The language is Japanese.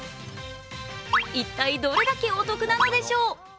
一体どれだけお得なのでしょう。